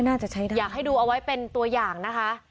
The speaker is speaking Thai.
อยากให้ดูเอาไว้เป็นตัวอย่างนะคะ